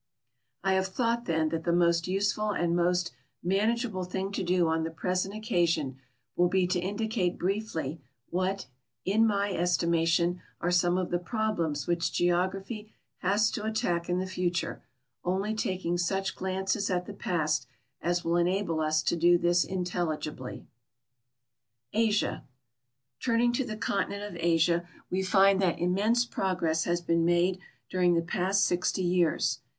•X I have thought, then, that the most useful and most manage able thing to do on the present occasion will be to indicate briefly what, in my estimation, are some of the problems which geogra phy has to attack in the future, only taking such glances at the past as will enable us to do this intelligibly. ASIA Turning to the continent of Asia, we find that immense progress has been made during the past six; ty years.